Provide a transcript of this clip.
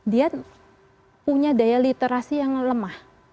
dia punya daya literasi yang lemah